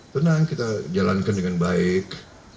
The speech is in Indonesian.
tenang kita jalankan dengan baik